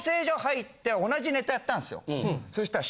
そしたら。